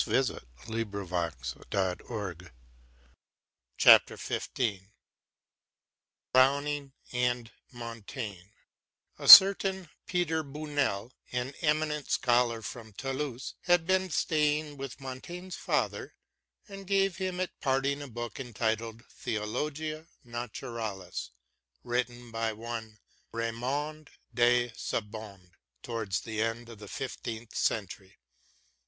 — ^Part II. ch. iv. If this is not optimism, what is ? BROWNING AND MONTAIGNE A CERTAIN Peter Bunel, an eminent scholar from Toulouse, had been staying with Montaigne's father, and gave him at parting a book entitled Theologia Naturalis, written by one Raymond de Sebonde towards the end of the fifteenth century.